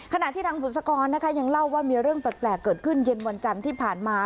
ขณะที่นางบุษกรนะคะยังเล่าว่ามีเรื่องแปลกเกิดขึ้นเย็นวันจันทร์ที่ผ่านมา